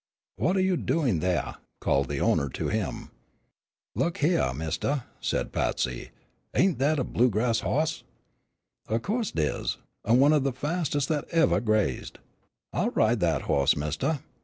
"What are you doing thaih," called the owner to him. "Look hyeah, mistah," said Patsy, "ain't that a bluegrass hoss?" "Of co'se it is, an' one o' the fastest that evah grazed." "I'll ride that hoss, mistah."